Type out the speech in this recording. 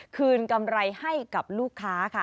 กำไรให้กับลูกค้าค่ะ